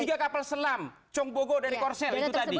tiga kapal selam cong bogo dan korsel itu tadi